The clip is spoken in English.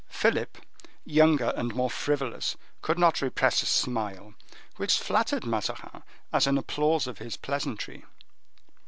Philip, younger and more frivolous, could not repress a smile, which flattered Mazarin as an applause of his pleasantry.